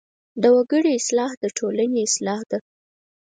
د وګړي اصلاح د ټولنې اصلاح ده.